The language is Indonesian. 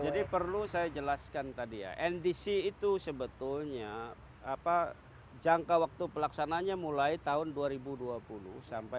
jadi perlu saya jelaskan tadi ya ndc itu sebetulnya jangka waktu pelaksananya mulai tahun dua ribu dua puluh sampai dua ribu tiga puluh